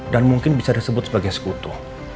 dan mungkin bisa disebut sebagai sekutu